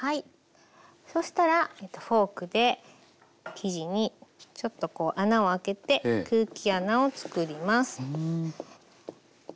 そしたらフォークで生地にちょっとこう穴をあけて空気穴をつくります。